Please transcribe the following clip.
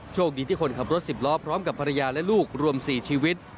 โชคดีที่คนขับรถ๑๐ล้อพร้อมกับภรรยาและลูกรวม๔ชีวิต